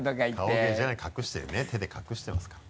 顔芸じゃない隠してる手で隠してますから。